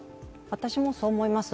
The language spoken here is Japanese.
私もそう思います。